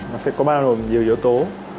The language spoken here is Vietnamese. nó sẽ có bao nhiêu yếu tố